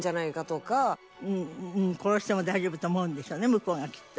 向こうがきっと。